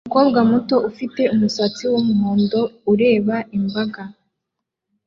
Umukobwa muto ufite umusatsi wumuhondo ureba imbaga